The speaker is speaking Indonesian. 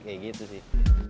seperti itu sih